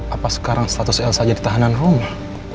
apa sekarang status elsa jadi tahanan rumah